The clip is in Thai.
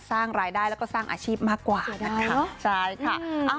สร้างรายได้แล้วก็สร้างอาชีพมากกว่านะคะใช่ค่ะ